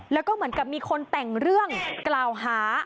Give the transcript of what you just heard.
แล้วก็เหมือนกับมีคนแต่งเรื่องกล่าวหา